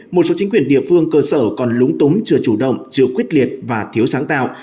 một số chính quyền địa phương cơ sở còn lúng túng chưa chủ động chưa quyết liệt và thiếu sáng tạo